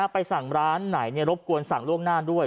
ไปสั่งร้านไหนรบกวนสั่งล่วงหน้าด้วย